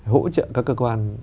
hỗ trợ các cơ quan